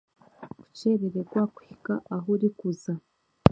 Okukyereregwa kuhika ahu orikuza